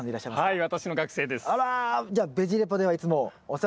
はい。